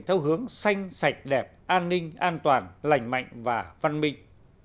theo hướng xanh sạch đẹp an ninh an toàn lành mạnh và văn minh